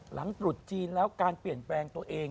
ตรุษจีนแล้วการเปลี่ยนแปลงตัวเอง